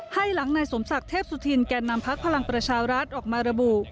ให้หลังนายสมศักดิ์เทพสุธินแก่นำพักพลังประชารัฐออกมาระบุ